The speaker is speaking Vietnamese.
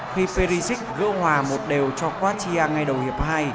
khi perisic vỡ hòa một đều cho quartia ngay đầu hiệp hai